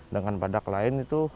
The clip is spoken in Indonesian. dengan badak lain itu